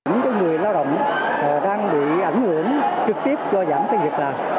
những người lao động đang bị ảnh hưởng trực tiếp do giảm tiền việc làm